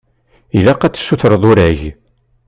Ilaq ad tessutreḍ urag.